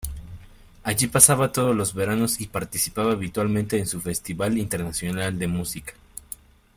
Allí pasaba todos los veranos y participaba habitualmente en su Festival Internacional de Música.